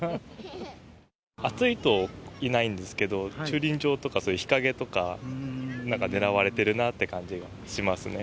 暑いといないんですけど、駐輪場とか、そういう日陰とか、狙われてるなって感じがしますね。